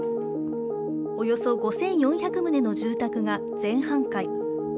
およそ５４００棟の住宅が全半壊。